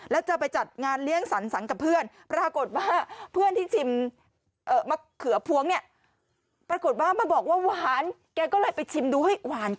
แล้วจะไปจัดงานเลี่ยงสรรสังกับเพื่อนปรากฏว่าเพื่อนที่ชิมมะเขือพวงเนี่ย